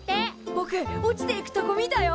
ぼく落ちていくとこ見たよ！